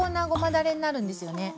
だれになるんですよね。